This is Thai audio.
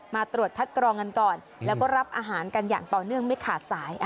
มาตรวจคัดกรองกันก่อนแล้วก็รับอาหารกันอย่างต่อเนื่องไม่ขาดสาย